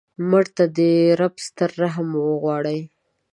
مړه ته د رب ستر رحم غواړو